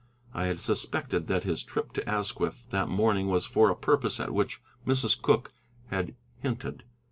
I had suspected that his trip to Asquith that morning was for a purpose at which Mrs. Cooke had hinted.